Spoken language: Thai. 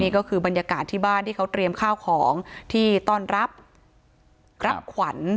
ก็คือบรรยากาศที่บ้านที่เขาเตรียมข้าวของที่ต้อนรับรับขวัญ